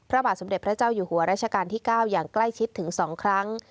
พระบาทสมเด็จพระเจ้าอยู่หัวราชการที่๙อย่างใกล้ชิดถึง๒ครั้ง